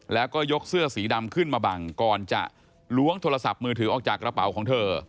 แล้วก็ยกเสื้อสีดำขึ้นมาบังก่อนจะล้วงโทรศัพท์มือถือออกจากกระเป๋าของเธอ